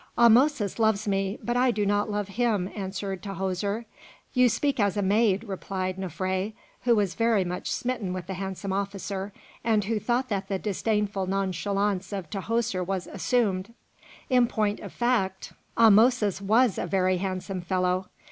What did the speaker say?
"Ahmosis loves me, but I do not love him," answered Tahoser. "You speak as a maid," replied Nofré, who was very much smitten with the handsome officer, and who thought that the disdainful nonchalance of Tahoser was assumed. In point of fact, Ahmosis was a very handsome fellow.